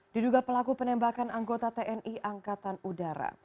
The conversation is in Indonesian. diduga pelaku penembakan anggota tni angkatan udara